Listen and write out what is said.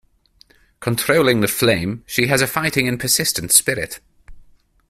Controlling the flame, she has a fighting and persistent spirit.